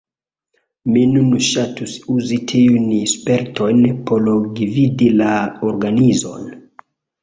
Mi nun ŝatus uzi tiujn spertojn por gvidi la organizon.